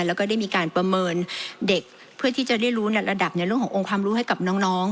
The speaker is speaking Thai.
แล้วก็ได้มีการประเมินเด็กเพื่อที่จะได้รู้ระดับในเรื่องขององค์ความรู้ให้กับน้อง